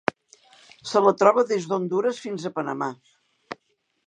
Se la troba des d'Hondures fins a Panamà.